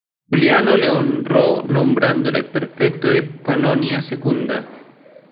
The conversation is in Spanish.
Juliano le honró nombrándole prefecto de Pannonia Secunda.